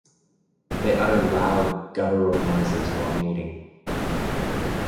They utter loud guttural noises while mating.